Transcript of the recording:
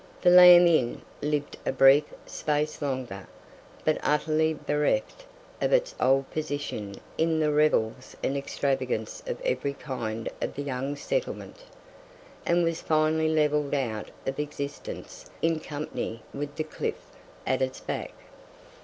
The Lamb Inn lived a brief space longer, but utterly bereft of its old position in the revels and extravagance of every kind of the young settlement, and was finally levelled out of existence in company with the "cliff" at its back.